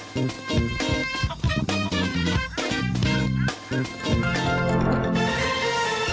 โปรดติดตามตอนต่อไป